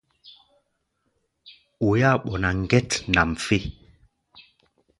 Oi-áa ɓɔná ŋgɛt nʼam fé.